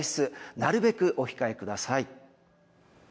なるべくお控えください。